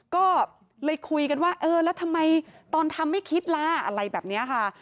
ก็เลยคุยกันว่าเออแล้วทำไมตอนทำไม่คิดล่ะอะไรแบบนี้ค่ะ